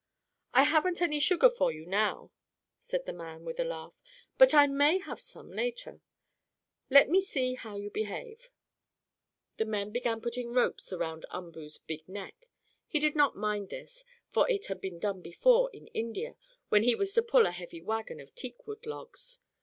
"I haven't any sugar for you now," said the man with a laugh, "but I may have some later. Let me see how you behave." The men began putting ropes around Umboo's big neck. He did not mind this, for it had been done before, in India, when he was to pull a heavy wagon of teakwood logs.